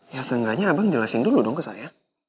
ya seenggaknya abang jelasin dulu dong ke saya